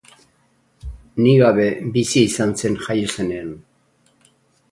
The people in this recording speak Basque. Ni gabe bizi izan zen jaio zenean.